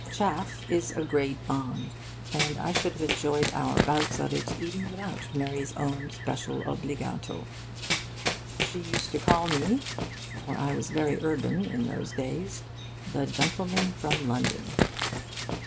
'Chaff' is a great bond; and I should have enjoyed our bouts of it even without Mary's own special obbligato. She used to call me (for I was very urban in those days) the Gentleman from London.